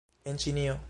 En Ĉinio